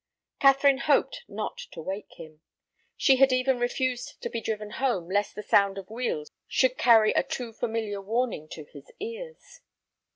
Catherine hoped not to wake him; she had even refused to be driven home lest the sound of wheels should carry a too familiar warning to his ears.